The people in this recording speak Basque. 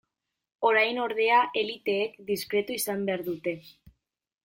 Orain, ordea, eliteek diskretu izan behar dute.